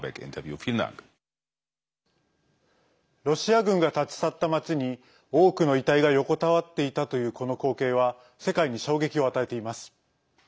ロシア軍が立ち去った町に多くの遺体が横たわっていたというこの光景は世界に衝撃を与えています。